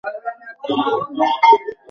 চুমো খাওয়ার দরকার নেই।